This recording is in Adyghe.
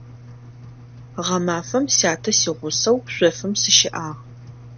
Гъэмафэм сятэ сигъусэу шъофым сыщыӀагъ.